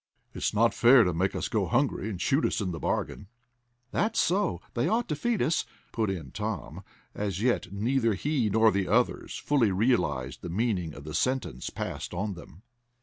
"It's not fair to make us go hungry and shoot us in the bargain." "That's so, they ought to feed us," put in Tom. As yet neither he nor the others fully realized the meaning of the sentence passed on them.